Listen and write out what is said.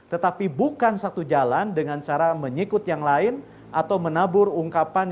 tetapi bukan satu jalan dengan cara menyikut yang lain atau menabur ungkapan yang bisa memancing reaksi yang lain